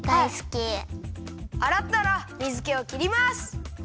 あらったら水けをきります。